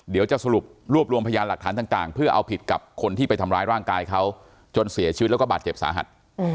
เดี๋ยวจะสรุปรวบรวมพยานหลักฐานต่างเพื่อเอาผิดกับคนที่ไปทำร้ายร่างกายเขาจนเสียชีวิตแล้วก็บาดเจ็บสาหัส